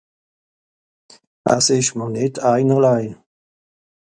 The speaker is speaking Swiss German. Es ìsch mìr nìtt einerlei.